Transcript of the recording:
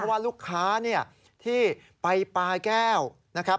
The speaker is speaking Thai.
ว่าลูกค้าเนี่ยที่ไปปลาแก้วนะครับ